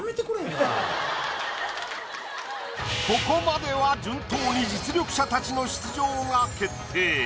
ここまでは順当に実力者たちの出場が決定。